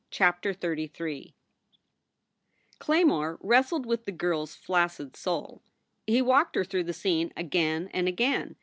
CHAPTER XXXIII CLAYMORE wrestled with the girl s flaccid soul. He V_> walked her through the scene again and again.